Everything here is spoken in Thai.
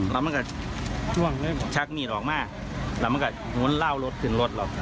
แล้วผมก็ชักหนี้นอกมาแล้วผมก็หล่าวรถถึงลด